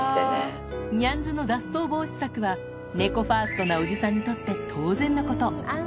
ニャンズの脱走防止柵は、猫ファーストなおじさんにとって当然のこと。